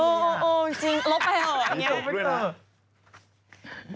เออจริงลบไปเหรออย่างนี้นี่ถูกด้วยนะ